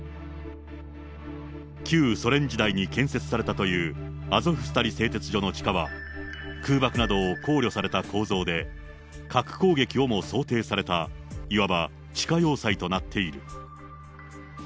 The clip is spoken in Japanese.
旧ソ連時代に建設されたというアゾフスタリ製鉄所の地下は、空爆などを考慮された構造で、核攻撃をも想定された、いわば地下要塞となっている。